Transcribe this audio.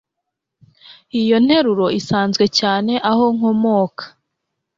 Iyo nteruro isanzwe cyane aho nkomoka